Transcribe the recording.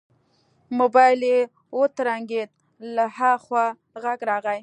موبايل يې وترنګېد له ها خوا غږ راغی.